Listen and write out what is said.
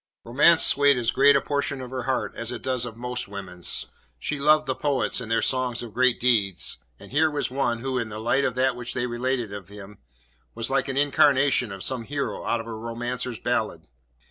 Romance swayed as great a portion of her heart as it does of most women's. She loved the poets and their songs of great deeds; and here was one who, in the light of that which they related of him, was like an incarnation of some hero out of a romancer's ballad.